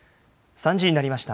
３時になりました。